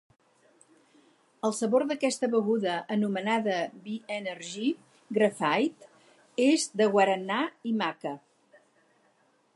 El sabor d'aquesta beguda, anomenada V Energy Graphite, és de guaranà i maca.